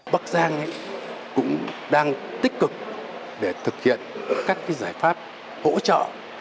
bắc giang cũng đang tích cực để thực hiện các giải pháp hỗ trợ